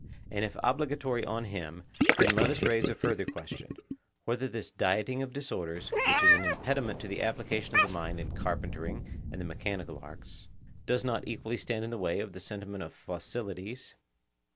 And if obligatory on him, then let us raise a further question, whether this dieting of disorders, which is an impediment to the application of the mind in carpentering and the mechanical arts, does not equally stand in the way of the sentiment of Phocylides?